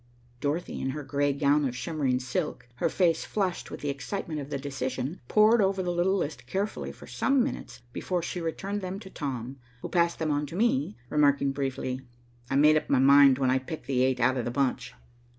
Dorothy, in her gray gown of shimmering silk, her face flushed with the excitement of the decision, pored over the little list carefully for some minutes before she returned them to Tom, who passed them on to me, remarking briefly, "I made up my mind when I picked the eight out of the bunch."